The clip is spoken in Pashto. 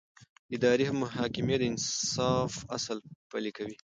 اداري محکمې د انصاف اصل پلي کوي.